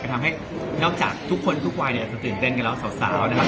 ทำให้นอกจากทุกคนทุกวัยเนี่ยจะตื่นเต้นกันแล้วสาวนะครับ